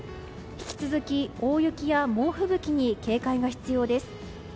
引き続き、大雪や猛吹雪に警戒が必要です。